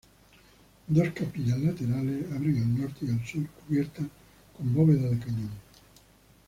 Dos capillas laterales abren al norte y al sur, cubiertas con bóveda de cañón.